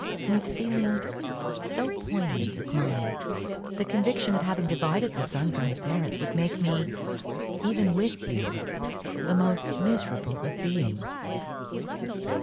With feelings so poignant as mine, the conviction of having divided the son from his parents would make me, even with you, the most miserable of beings.